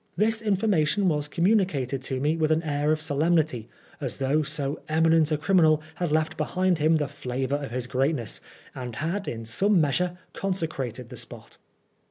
This information was communicated to me with an air of solemnity, as though so eminent a criminal had left behind him the flavor of his greatness, and had in some measure consecrated the spot.